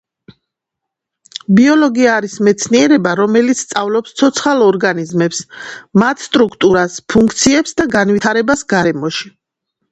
ბიოლოგია არის მეცნიერება, რომელიც სწავლობს ცოცხალ ორგანიზმებს, მათ სტრუქტურას, ფუნქციებს და განვითარებას გარემოში.